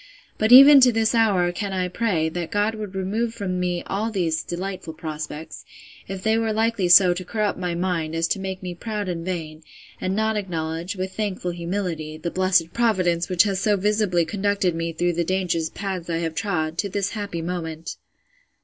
But even to this hour can I pray, that God would remove from me all these delightful prospects, if they were likely so to corrupt my mind, as to make me proud and vain, and not acknowledge, with thankful humility, the blessed Providence which has so visibly conducted me through the dangerous paths I have trod, to this happy moment.